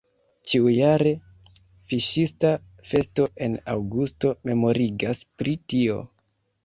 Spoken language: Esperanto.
Ĉiujare fiŝista festo en aŭgusto memorigas pri tio.